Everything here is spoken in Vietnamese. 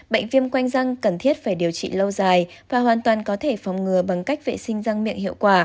bệnh viêm quanh răng cần thiết phải điều trị lâu dài và hoàn toàn có thể phòng ngừa bằng cách vệ sinh răng miệng hiệu quả